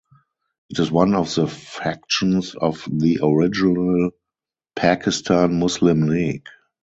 It is one of the factions of the original Pakistan Muslim League.